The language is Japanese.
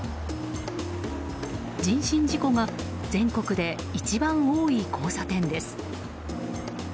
人身事故が全国で一番多い交差点です。